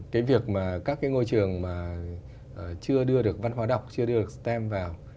cái việc mà các cái ngôi trường mà chưa đưa được văn hóa đọc chưa được stem vào